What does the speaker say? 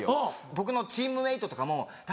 僕のチームメートとかも「誰？